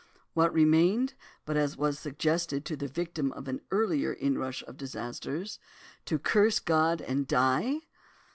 "What remained, but as was suggested to the victim of an earlier inrush of disasters? To curse God, and die?